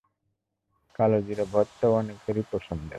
কালোজিরা ভর্তাও অনেকেরই পছন্দের।